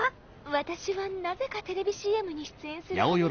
私はなぜかテレビＣＭに出演するはめに。